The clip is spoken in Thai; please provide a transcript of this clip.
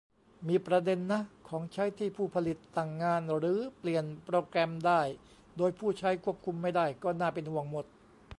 มีประเด็นนะ ของใช้ที่ผู้ผลิตสั่งงานหรือเปลี่ยนโปรแกรมได้ โดยผู้ใช้ควบคุมไม่ได้ ก็น่าเป็นห่วงหมด